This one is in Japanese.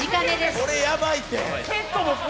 これ、やばいって。